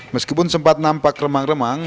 meskipun sempat nampak kelemang rambut